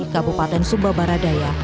kabupaten sumba baradaya